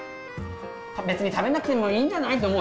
別に食べなくてもいいんじゃないと思う人？